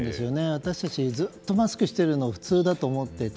私たちずっとマスクしているのが普通だと思っていた。